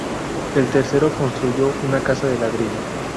El tercero construyó una casa de ladrillo.